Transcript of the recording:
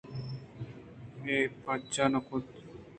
اےپُچ نہ اَت اَنت